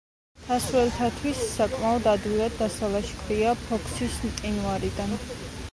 მთამსვლელთათვის საკმაოდ ადვილად დასალაშქრია ფოქსის მყინვარიდან.